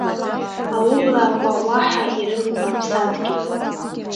Аублаақәа уаҳа ирымам аԥсадгьыл!